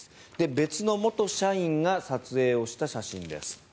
別の元社員が撮影した写真です。